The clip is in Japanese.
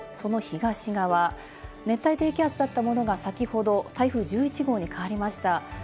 そして、その東側、熱帯低気圧だったものが先ほど台風１１号に変わりました。